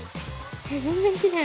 全然きれい。